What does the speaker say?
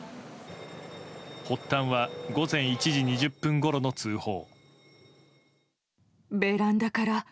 発端は午前１時２０分ごろの通報。